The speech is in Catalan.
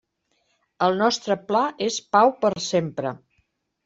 El nostre pla és pau per sempre.